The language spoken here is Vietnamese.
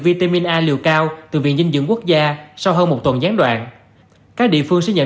vitamin a liều cao từ viện dinh dưỡng quốc gia sau hơn một tuần gián đoạn các địa phương sẽ nhận